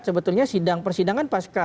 sebetulnya persidangan pas ke